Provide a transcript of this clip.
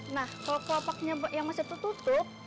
nah kalau kelopaknya yang masih tertutup